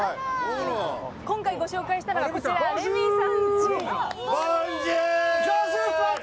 今回ご紹介したいのはこちら「レミさんち」。